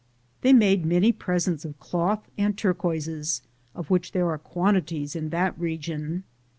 They made many presents of cloth and turquoises, of which there are quantities in that region.